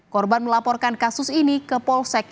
korban melaporkan kasus ini ke polsek